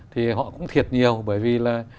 thì họ cũng thiệt nhiều bởi vì là